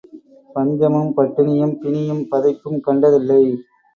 பஞ்சமும், பட்டினியும், பிணியும், பதைப்பும், கண்டதில்லை.